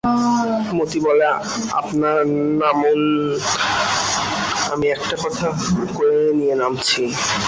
মতি বলে, আপনার নামুন, আমি একটা কথা কয়ে নিয়ে নামছি।